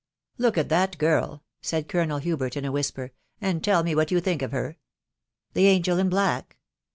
" Look at that girl," said Colonel Hubert in a whisper, €* *nd tell me what you think of her ? n Tbe angel in black?"